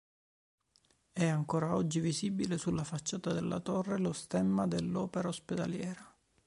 È ancor oggi visibile sulla facciata della torre lo stemma dell'Opera Ospedaliera.